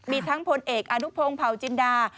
มีทั้งพลเอกอนุพงศ์เผาจินดา